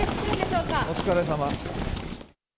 お疲れさま。